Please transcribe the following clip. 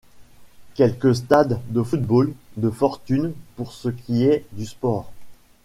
Quelques stades de football de fortune pour ce qui est du sport.